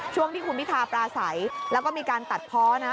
ช่วงที่คุณพิทาปราศัยแล้วก็มีการตัดเพาะนะ